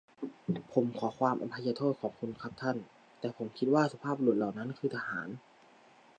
ผมขอความอภัยโทษของคุณครับท่าน แต่ผมคิดว่าสุภาพบุรุษเหล่านั้นคือทหาร ?